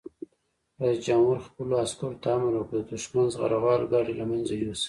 رئیس جمهور خپلو عسکرو ته امر وکړ؛ د دښمن زغروال ګاډي له منځه یوسئ!